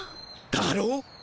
だろ？